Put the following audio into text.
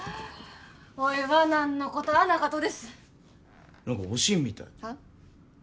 おいは何のこたあなかとです何かおしんみたいは？